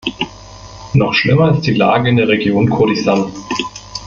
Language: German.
Noch schlimmer ist die Lage in der Region Kurdistan.